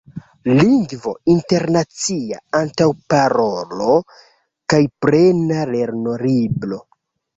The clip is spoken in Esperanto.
Lingvo Internacia, Antaŭparolo kaj Plena Lernolibro.